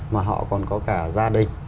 mà họ còn có cả gia đình